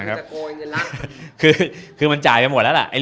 แต่คือจะโกยเงินลักษณ์